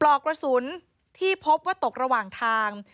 หลอกกระสุนที่พบว่าตกระหว่างทาง